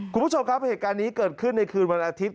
คุณผู้ชมครับเหตุการณ์นี้เกิดขึ้นในคืนวันอาทิตย